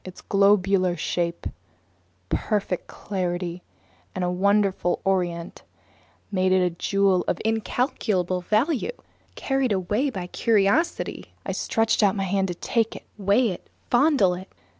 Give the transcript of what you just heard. Its globular shape, perfect clarity, and wonderful orient made it a jewel of incalculable value. Carried away by curiosity, I stretched out my hand to take it, weigh it, fondle it!